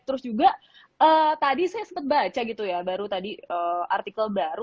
terus juga tadi saya sempat baca gitu ya baru tadi artikel baru